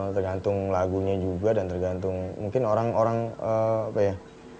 tergantung lagunya juga dan tergantung mungkin orang orang apa ya